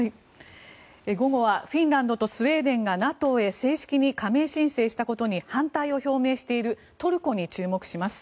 午後はフィンランドとスウェーデンがＮＡＴＯへ正式に加盟申請したことに反対を表明しているトルコに注目します。